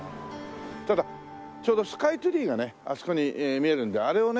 ただちょうどスカイツリーがねあそこに見えるんであれをね